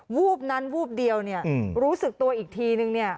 วูบนั้นวูบเดียวเนี่ยรู้สึกตัวอีกทีนึงเนี่ย